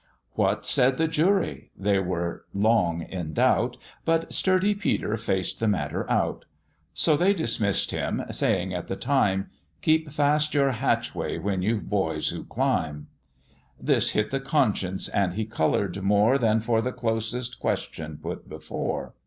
"What said the jury?" they were long in doubt, But sturdy Peter faced the matter out: So they dismissed him, saying at the time, "Keep fast your hatchway when you've boys who climb." This hit the conscience, and he colour'd more Than for the closest questions put before.